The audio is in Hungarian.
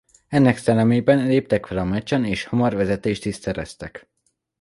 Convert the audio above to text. Ennek szellemében léptek fel a meccsen és hamar vezetést is szereztek.